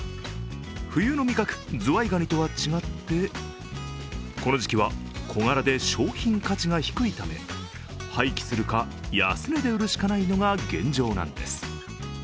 冬の味覚、ズワイガニとは違ってこの時期は小柄で商品価値が低いため廃棄するか、安値で売るしかないのが現状なんです。